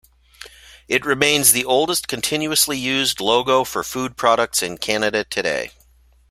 It remains the oldest continuously used logo for food products in Canada today.